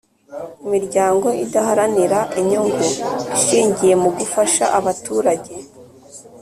imiryango idaharanira inyungu ishingiye mu gufasha abaturage